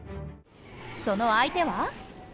その相手は？